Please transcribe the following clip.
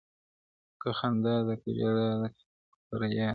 که خندا ده که ژړا ده په ریا ده -